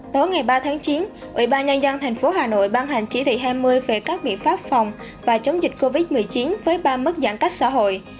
thành phố hà nội ban hành chỉ thị hai mươi về các biện pháp phòng và chống dịch covid một mươi chín với ba mức giãn cách xã hội